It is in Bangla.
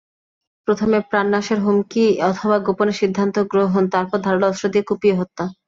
প্রথমে প্রাণনাশের হুমকি অথবা গোপনে সিদ্ধান্ত গ্রহণ, তারপর ধারালো অস্ত্র দিয়ে কুপিয়ে হত্যা।